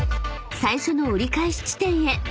［最初の折り返し地点へ］